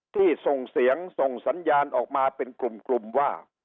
ส่งเสียงส่งสัญญาณออกมาเป็นกลุ่มว่า